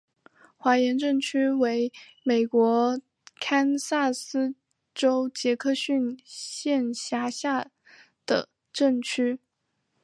怀廷镇区为美国堪萨斯州杰克逊县辖下的镇区。